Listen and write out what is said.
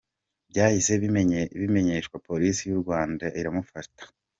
Byahise bimenyeshwa Polisi y’u Rwanda iramufata."